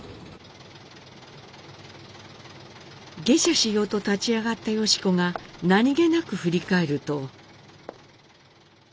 下車しようと立ち上がった良子が何気なく振り返ると。